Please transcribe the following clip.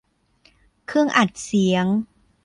เครื่องอัดเสียง